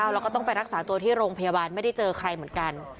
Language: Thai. แล้วก็ต้องไปรักษาตัวที่โรงพยาบาลไม่ได้เจอใครเหมือนกัน